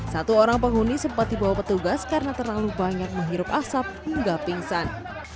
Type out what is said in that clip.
satu orang penghuni sempat dibawa petugas karena terlalu banyak menghirup asap hingga pingsan